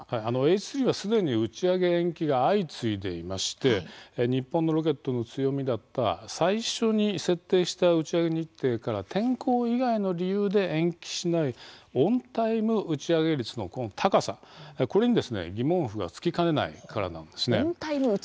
Ｈ３は、すでに打ち上げ延期が相次いでいまして日本のロケットの強みだった最初に設定した打ち上げ日程から天候以外の理由で延期しないオンタイム打ち上げ率の高さこれに、疑問符がつきかねないからなんですね。